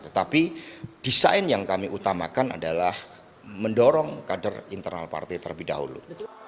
tetapi desain yang kami utamakan adalah mendorong kader internal partai terlebih dahulu